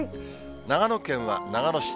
長野県は長野市。